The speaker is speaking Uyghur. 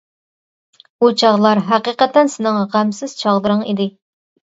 ئۇ چاغلار ھەقىقەتەن سېنىڭ غەمسىز چاغلىرىڭ ئىدى.